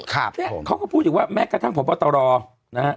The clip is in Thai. เขาก็พูดอยู่ว่าแม้กระทั่งของพวัตรรอค์นะฮะ